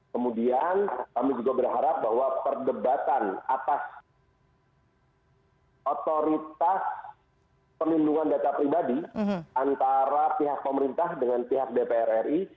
kemudian kami juga berharap bahwa perdebatan atas otoritas perlindungan data pribadi antara pihak pemerintah dengan pihak dpr ri